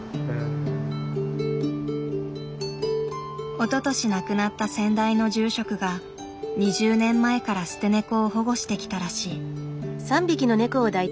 おととし亡くなった先代の住職が２０年前から捨てネコを保護してきたらしい。